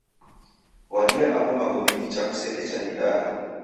W'adia agho magome nicha kusekecha ghidagha.